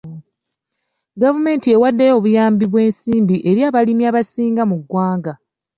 Gavumenti ewadde obuyambi bw'ensimbi eri abalimi abasinga mu ggwanga.